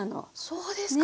そうですか。